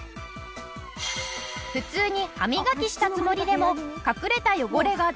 普通に歯磨きしたつもりでも隠れた汚れが出てくるらしいぞ。